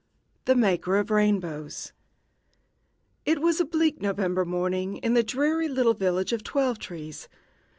THE MAKER OF RAINBOWS It was a bleak November morning in the dreary little village of Twelve trees.